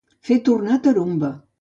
Fer tornar tarumba.